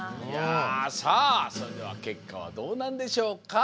さあそれでは結果はどうなんでしょうか？